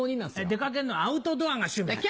出掛けるのアウトドアが趣味なんです。